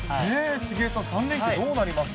杉江さん、３連休どうなりますか？